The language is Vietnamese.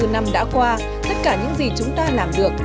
năm mươi bốn năm đã qua tất cả những gì chúng ta làm được